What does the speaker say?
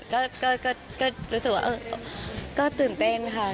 ก็รู้สึกว่าก็ตื่นเต้นค่ะ